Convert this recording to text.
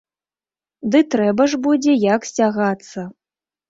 Ды трэба ж будзе як сцягацца.